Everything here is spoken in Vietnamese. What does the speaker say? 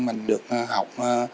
mình được học